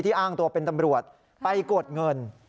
อ้างตัวเป็นตำรวจไปกดเงิน